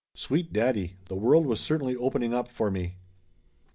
Sweet daddy! The world was cer tainly opening up for me